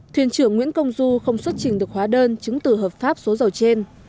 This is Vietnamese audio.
thuyền trưởng nguyễn công du không xuất trình được hóa đơn chứng từ hợp pháp số dầu trên